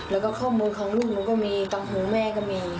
แล้วก็ข้อมูลของลูกหนูก็มีตังหูแม่ก็มี